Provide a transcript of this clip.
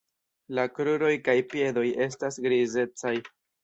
La kruroj kaj piedoj estas grizecaj.